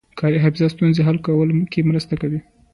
کاري حافظه ستونزې حل کولو کې مرسته کوي.